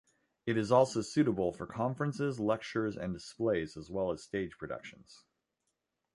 It is also suitable for conferences, lectures and displays as well as stage productions.